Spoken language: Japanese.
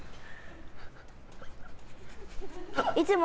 いつも。